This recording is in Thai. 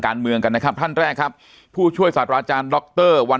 การเมืองกันนะครับท่านแรกครับผู้ช่วยศาสตราอาจารย์ดรวัน